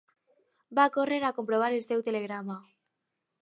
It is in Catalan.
Va córrer a comprovar el seu telegrama.